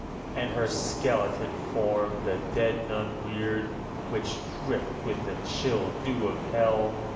_85 16. And her skeleton form the dead Nun reared Which dripped with the chill dew of hell.